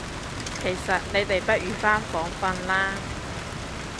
其實你哋不如返房訓啦